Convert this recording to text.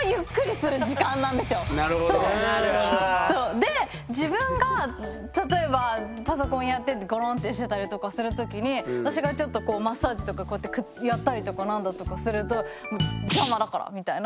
で自分が例えばパソコンやっててごろんってしてたりとかする時に私がちょっとマッサージとかこうやってやったりとか何だとかすると邪魔だからみたいな。